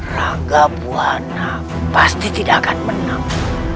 raga buah anak pasti tidak akan menang